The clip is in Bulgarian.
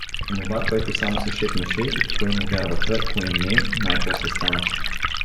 Онова, което само се шепнеше и кое му вярваха, кое не, най-после стана.